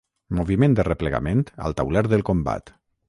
Moviment de replegament al tauler del combat.